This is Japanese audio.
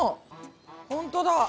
ほんとだ。